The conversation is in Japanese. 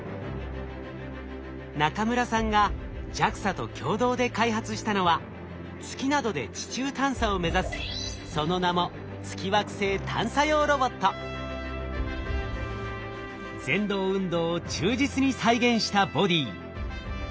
中村さんがＪＡＸＡと共同で開発したのは月などで地中探査を目指すその名も蠕動運動を忠実に再現したボディー。